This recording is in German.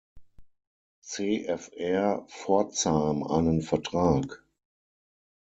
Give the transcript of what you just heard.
CfR Pforzheim einen Vertrag.